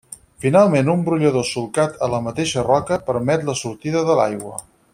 Finalment un brollador solcat a la mateixa roca, permet la sortida de l'aigua.